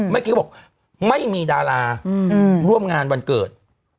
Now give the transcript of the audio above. ไม่คิดว่าไม่มีดาราร่วมงานวันเกิด